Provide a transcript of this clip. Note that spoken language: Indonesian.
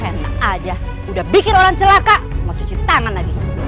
enak aja udah bikin orang celaka mau cuci tangan lagi